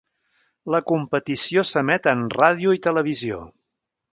La competició s'emet en ràdio i televisió.